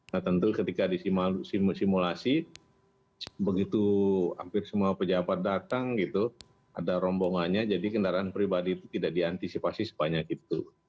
nah tentu ketika disimulasi begitu hampir semua pejabat datang gitu ada rombongannya jadi kendaraan pribadi itu tidak diantisipasi sebanyak itu